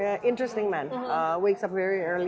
waktu tidur sangat awal tidur sangat lewat